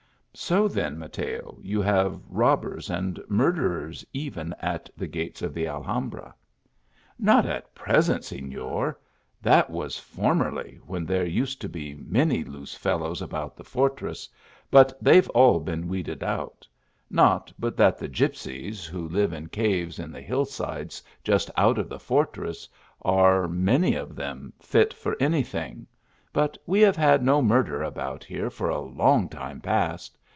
" So then, Mateo, you have robbers and murder ers even at the gates of the Alhambra." " Not at present, senor that was formerly, when there used to be many loose fellows about the for tress ; but they ve all been \vceded out. Not but that the gipsies, who live in caves in the hill sides j jst out of the fortress, are, many of them, fit for any thing ; but we have had no murder about here for a long time past.